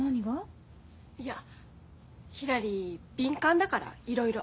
いやひらり敏感だからいろいろ。